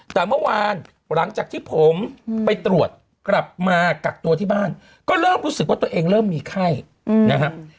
แต่เมื่อวานหลังจากที่ผมไปตรวจกลับมากักตัวที่บ้านก็เริ่มรู้สึกว่าตัวเองเริ่มมีไข้นะครับ